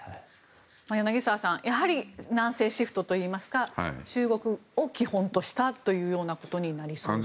柳澤さん、やはり南西シフトといいますか中国を基本としたというようなことになりそうです。